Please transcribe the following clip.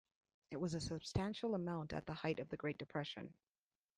It was a substantial amount at the height of the great depression.